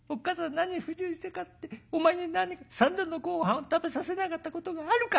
何不自由したからってお前に何か三度のごはんを食べさせなかったことがあるか。